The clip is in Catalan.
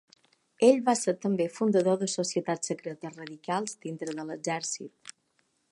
Ell va ser també fundador de societats secretes radicals dintre de l'Exercit.